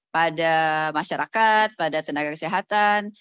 pada masyarakat pada tenaga kesehatan